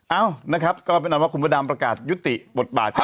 เอ้านะครับก็เป็นอันว่าคุณพระดำประกาศยุติบทบาทครับ